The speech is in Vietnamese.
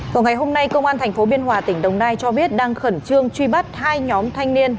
còn ngày hôm nay công an thành phố biên hòa tỉnh đông nai cho biết đang khẩn trương truy bắt hai nhóm thanh niên